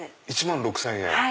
１万６０００円！